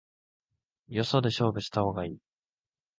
よそで勝負した方がいい